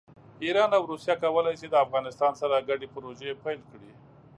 ایران او روسیه کولی شي د افغانستان سره ګډې پروژې پیل کړي.